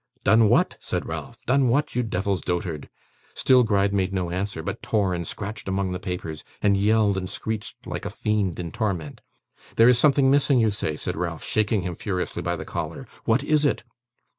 'Done what?' said Ralph. 'Done what, you devil's dotard?' Still Gride made no answer, but tore and scratched among the papers, and yelled and screeched like a fiend in torment. 'There is something missing, you say,' said Ralph, shaking him furiously by the collar. 'What is it?